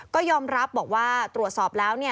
ก็ยอมรับบอกว่าตรวจสอบแล้ว